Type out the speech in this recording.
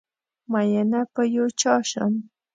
ميېنه په یو چا شم